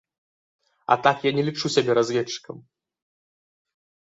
А так я не лічу сябе разведчыкам!